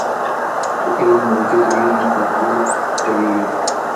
که علم موجود وي نو تحليل قوي وي.